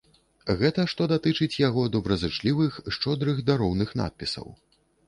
Гэта што датычыць яго добразычлівых, шчодрых дароўных надпісаў.